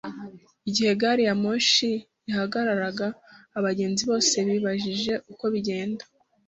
Igihe gari ya moshi yahagararaga, abagenzi bose bibajije uko bigenda.